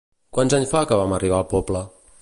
Quants anys fa que vam arribar al poble?